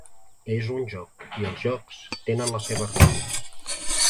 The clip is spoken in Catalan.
És un joc, i els jocs tenen les seves regles.